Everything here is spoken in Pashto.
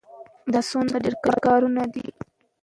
ګورګین د ولس د وېرولو لپاره له بد چلند څخه کار اخیست.